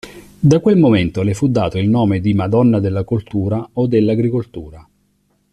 Da quel momento le fu dato il nome di Madonna della Coltura o dell'Agricoltura.